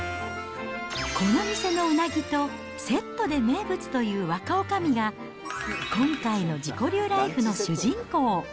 この店のうなぎとセットで名物という若おかみが、今回の自己流ライフの主人公。